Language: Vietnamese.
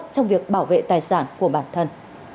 trong việc bảo vệ tài sản của bản thân